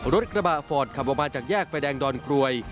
รถกระบะฟอร์ดขับออกมาจากแยกไฟแดงดอนกรวย